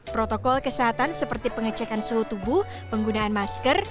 protokol kesehatan seperti pengecekan suhu tubuh penggunaan masker